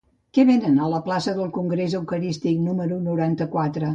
Què venen a la plaça del Congrés Eucarístic número noranta-quatre?